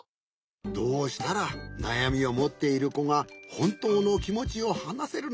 どうしたらなやみをもっているこがほんとうのきもちをはなせるのか。